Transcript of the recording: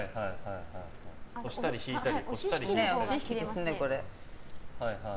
押したり引いたり。